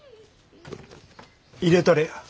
入れたれや。